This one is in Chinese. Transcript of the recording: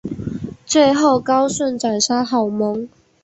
最后高顺斩杀郝萌。